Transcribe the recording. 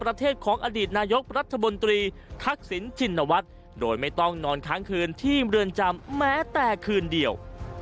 รัฐบนตรีทักศิลป์จิณวัฒน์โดยไม่ต้องนอนค้างคืนที่เบือนจำแม้แต่คืนเดียว